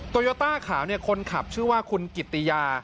โตยอต้าขาวเนี่ยคนขับชื่อว่าคุณกิตตียา